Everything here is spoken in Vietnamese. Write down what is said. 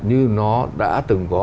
như nó đã từng có